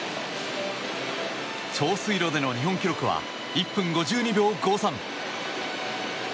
長水路での日本記録は１分５２秒５３。